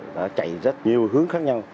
đã chạy rất nhiều hướng khác nhau